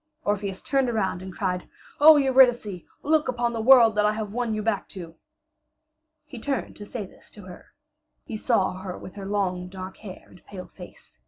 Orpheus turned around and cried, "O Eurydice, look upon the world that I have won you back to!" He turned to say this to her. He saw her with her long dark hair and pale face.